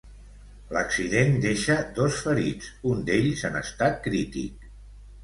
L'accident deixa dos ferits, un d'ells en estat crític.